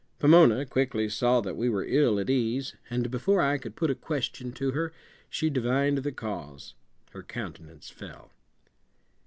Pomona quickly saw that we were ill at ease, and before I could put a question to her she divined the cause. Her countenance fell.